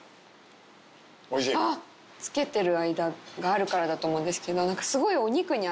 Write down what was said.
つけてる間があるからだと思うんですけど。